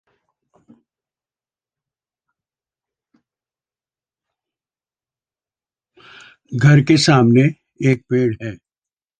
घर के सामने एक पेड़ है।